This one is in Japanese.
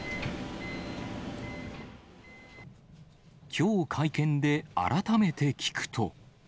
きょう会見で改めて聞くと。